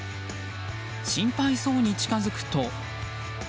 心配そうに近づくと。